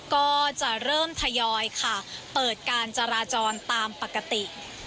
ก็จะเริ่มทยอยค่ะเปิดการจราจรตามปกติ